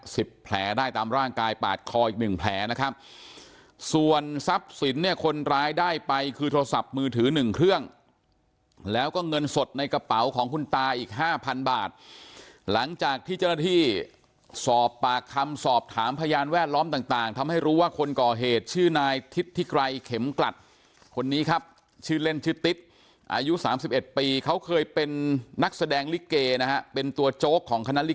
สิบแผลได้ตามร่างกายปาดคออีกหนึ่งแผลนะครับส่วนทรัพย์สินเนี่ยคนร้ายได้ไปคือโทรศัพท์มือถือหนึ่งเครื่องแล้วก็เงินสดในกระเป๋าของคุณตาอีกห้าพันบาทหลังจากที่เจ้าหน้าที่สอบปากคำสอบถามพยานแวดล้อมต่างต่างทำให้รู้ว่าคนก่อเหตุชื่อนายทิศทิไกรเข็มกลัดคนนี้ครับชื่อเล่นชื่อติ